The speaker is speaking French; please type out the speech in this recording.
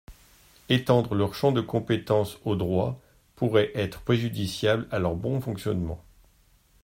Étendre leur champ de compétence au droit pourrait être préjudiciable à leur bon fonctionnement.